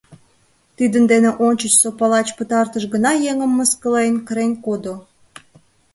Тидын дене ончычсо палач пытартыш гана еҥым мыскылен, кырен кодо.